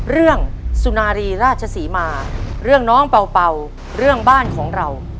เรื่องสุนารีราชสีมาเรื่องน้องเป่าเป่าเรื่องบ้านของเรา